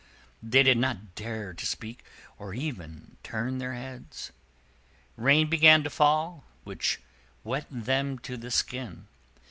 They did not dare to speak, or even turn their heads. Rain began to fall, which wet them to the skin.